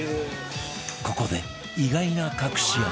ここで意外な隠し味